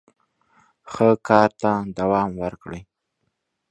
ښه کار ته دوام ورکړئ.